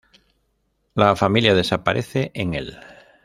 La familia desaparece en el